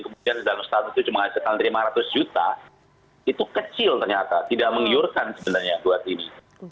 kemudian dalam status itu cuma menghasilkan lima ratus juta itu kecil ternyata tidak menggiurkan sebenarnya buat ini